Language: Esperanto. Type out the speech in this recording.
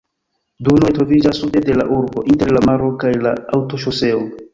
Dunoj troviĝas sude de la urbo, inter la maro kaj la aŭtoŝoseo.